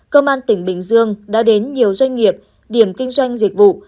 công an tỉnh bình dương đã đến nhiều doanh nghiệp điểm kinh doanh dịch vụ